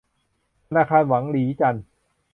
ธนาคารหวั่งหลีจัน